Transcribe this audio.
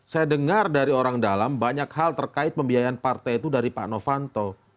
saya dengar dari orang dalam banyak hal terkait pembiayaan partai itu dari pak novanto